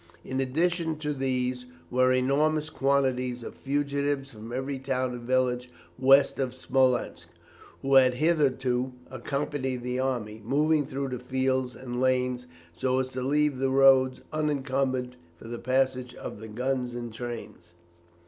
In addition to these were enormous quantities of fugitives from every town and village west of Smolensk, who had hitherto accompanied the army, moving through the fields and lanes, so as to leave the roads unencumbered for the passage of the guns and trains.